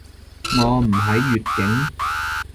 我唔喺粵境